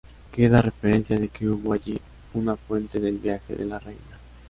Queda referencia de que hubo allí una fuente del viaje de la Reina.